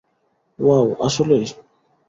Wow, আসলেই!